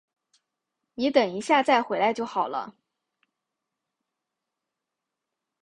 你等一下再回来就好了